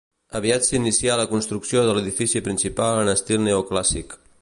Aviat s'inicià la construcció de l'edifici principal en estil neoclàssic.